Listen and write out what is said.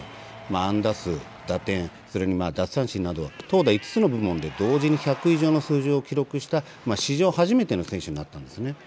安打数、打点、それに奪三振など、投打５つの部門で同時に１００以上の数字を記録した、史上初めての選手になったんですね。